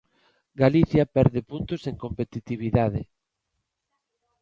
Galicia perde puntos en competitividade.